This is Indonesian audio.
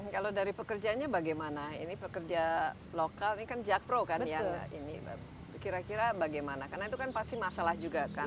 kalau dari pekerjanya bagaimana ini pekerja lokal ini kan jakpro kan yang ini kira kira bagaimana karena itu kan pasti masalah juga kan